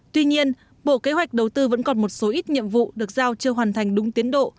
tuy nhiên bộ kế hoạch đầu tư vẫn còn một số ít nhiệm vụ được giao chưa hoàn thành đúng tiến độ